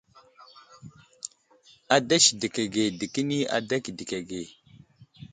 Ada sədək age dekəni ada kedək age.